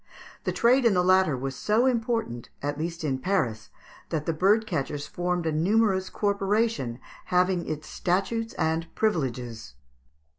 The trade in the latter was so important, at least in Paris, that the bird catchers formed a numerous corporation having its statutes and privileges.